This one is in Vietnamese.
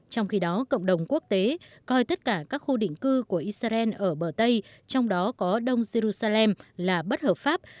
trong khi đó cộng đồng quốc tế coi tất cả các khu định cư của israel ở bờ tây trong đó có đông jerusalem là bất hợp pháp